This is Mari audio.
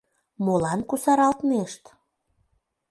Молан кусаралтнешт?